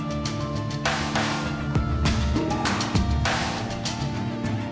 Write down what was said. lihat dia sambung sambung